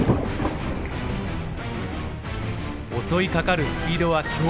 襲いかかるスピードは驚異的。